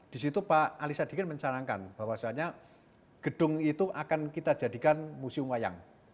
di situ pak ali sadikin mencanangkan bahwasannya gedung itu akan kita jadikan museum wayang